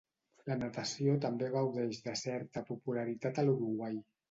La natació també gaudeix de certa popularitat a l'Uruguai.